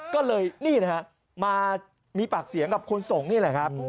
ก็เลยมีปากเสียงกับคนส่งนี่แหละครับ